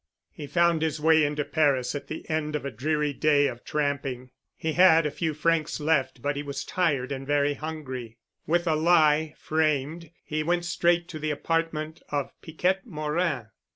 He found his way into Paris at the end of a dreary day of tramping. He had a few francs left but he was tired and very hungry. With a lie framed he went straight to the apartment of Piquette Morin.